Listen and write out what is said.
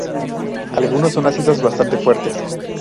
Algunos son ácidos bastante fuertes.